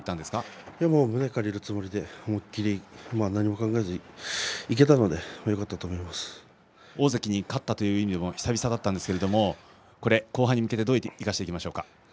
胸を借りるつもりで何も考えずにいけたので大関に勝ったというのは久々だったんですが後半に向けてどう生かしていきますか。